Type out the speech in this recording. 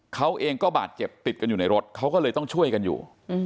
เขาเองก็บาดเจ็บติดกันอยู่ในรถเขาก็เลยต้องช่วยกันอยู่